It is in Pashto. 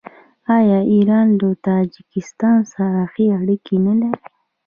آیا ایران له تاجکستان سره ښې اړیکې نلري؟